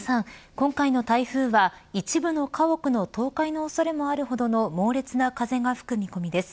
今回の台風は、一部の家屋の倒壊の恐れもあるほどの猛烈な風が吹く見込みです。